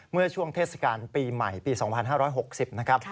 เมื่อช่วงเทศกาลปีใหม่ปี๒๕๖๐นะครับ